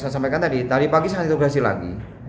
saya sampaikan tadi tadi pagi saya mengutuburasi lagi